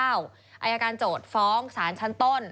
อายการโจทย์ฟ้องสารชั้นต้น